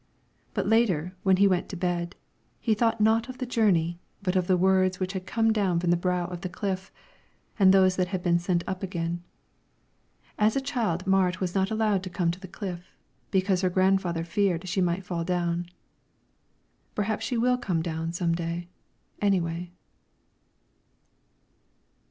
But later, when he went to bed, he thought not of the journey, but of the words which had come down from the brow of the cliff, and those that had been sent up again. As a child Marit was not allowed to come on the cliff, because her grandfather feared she might fall down. Perhaps she will come down some day, any way.